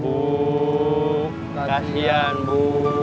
bu kasihan bu